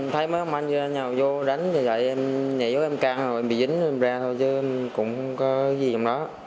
thấy mấy ông anh nhau vô đánh em nhảy vô em càng rồi em bị dính rồi em ra thôi chứ em cũng có gì trong đó